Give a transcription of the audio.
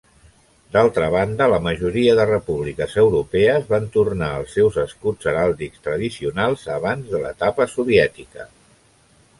D'altra banda, la majoria de repúbliques europees van tornar als seus escuts heràldics tradicionals d'abans de l'etapa soviètica.